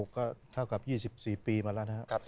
ก็เท่ากับ๒๔ปีมาแล้วนะครับ